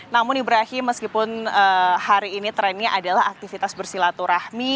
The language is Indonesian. namun ibrahim meskipun hari ini trennya adalah aktivitas bersilaturahmi